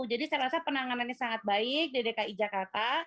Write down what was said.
jadi saya rasa penanganannya sangat baik di dki jakarta